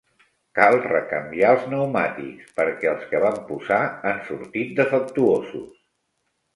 Cal recanviar els pneumàtics, perquè els que vam posar han sortit defectuosos.